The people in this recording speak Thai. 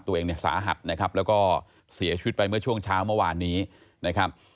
ตัวเองเนี่ยสาหัสนะครับแล้วก็เสียชีวิตไปเมื่อช่วงเช้าเมื่อวานนี้นะครับ